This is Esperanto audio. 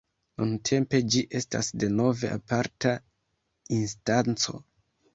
Nuntempe ĝi estas denove aparta instanco.